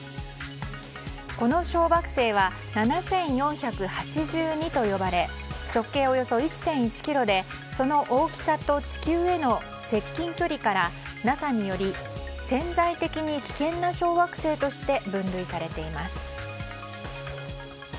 この小惑星は７４８２と呼ばれ直径およそ１．１ｋｍでその大きさと地球への接近距離からＮＡＳＡにより潜在的に危険な小惑星として分類されています。